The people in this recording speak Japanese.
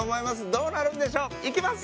どうなるんでしょう？いきます！